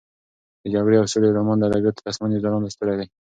د جګړې او سولې رومان د ادبیاتو د اسمان یو ځلانده ستوری دی.